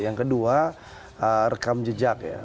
yang kedua rekam jejak ya